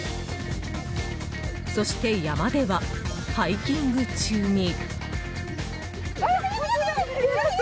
そして、山ではハイキング中に。